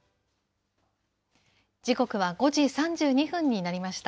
時刻は５時３２分になりました。